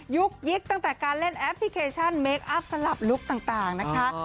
ยุกยิกตั้งแต่การเล่นแอปพลิเคชันเมคอัพสลับลุคต่างนะคะ